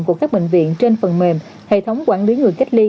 của các bệnh viện trên phần mềm hệ thống quản lý người cách ly